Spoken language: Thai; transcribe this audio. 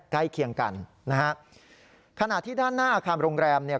ใกล้เคียงกันนะฮะขณะที่ด้านหน้าอาคารโรงแรมเนี่ย